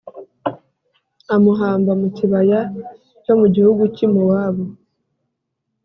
Amuhamba mu kibaya cyo mu gihugu cy’i Mowabu